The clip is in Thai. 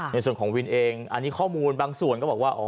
ในส่วนของวินเองอันนี้ข้อมูลบางส่วนก็บอกว่า